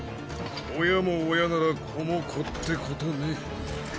親も親なら子も子ってことね。